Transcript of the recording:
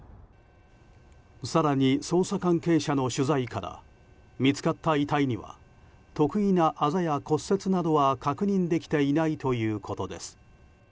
更に、捜査関係者の取材から見つかった遺体には特異なあざや骨折などは確認できていないということです。